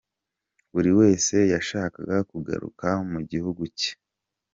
Buri wese yashakaga kugaruka mu gihugu cye.